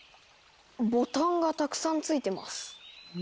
ボタンがたくさん付いてます。